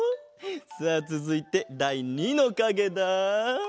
さあつづいてだい２のかげだ。